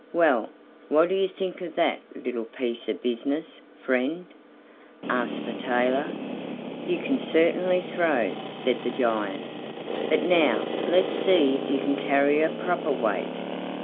"Well, what do you think of that little piece of business, friend?" asked the tailor. "You can certainly throw," said the giant; "but now let's see if you can carry a proper weight."